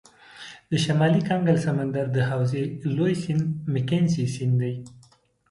د شمالي کنګل سمندر د حوزې لوی سیند مکنزي سیند دی.